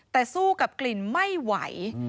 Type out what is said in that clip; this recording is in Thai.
แต่สู้กับกลิ่นไม่ไหว